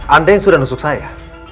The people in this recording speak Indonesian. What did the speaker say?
anda yang sudah nusuk saya